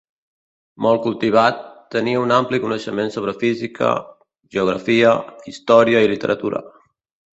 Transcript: Molt cultivat, tenia un ampli coneixement sobre física, geografia, història i literatura.